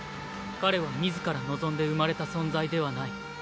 彼は自ら望んで生まれた存在ではない。